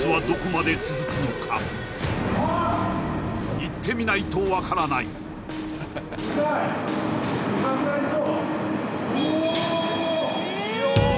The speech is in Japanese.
行ってみないと分からない見たいどう？